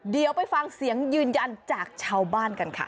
เดี๋ยวไปฟังเสียงยืนยันจากชาวบ้านกันค่ะ